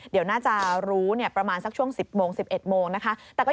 เดี๋ยวน่าจะรู้ประมาณสักช่วง๑๐โมง๑๑โมงนะคะ